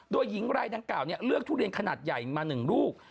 ด้วยหญิงรายดังกล่าวเนี่ยเลือกทุเรียนขนาดใหญ่มาหนึ่งลูก